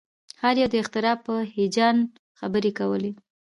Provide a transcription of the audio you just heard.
هر یو د اختراع په هیجان خبرې کولې